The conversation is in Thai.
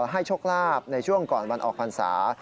ให้โชคลาภในช่วงก่อนวันออกพรรษา